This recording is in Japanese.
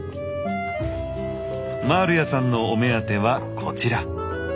マールヤさんのお目当てはこちら！